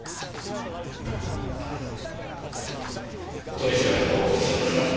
取り調べの報告書ですか？